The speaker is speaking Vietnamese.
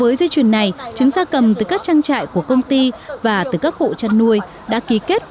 với dây chuyền này trứng gia cầm từ các trang trại của công ty và từ các hộ chăn nuôi đã ký kết